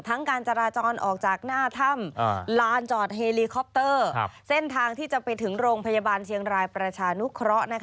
การจราจรออกจากหน้าถ้ำลานจอดเฮลีคอปเตอร์เส้นทางที่จะไปถึงโรงพยาบาลเชียงรายประชานุเคราะห์